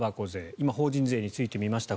今、法人税について見ました。